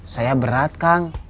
saya berat kang